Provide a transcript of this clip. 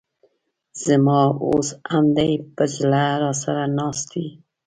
ز ما اوس هم دي په زړه راسره ناست وې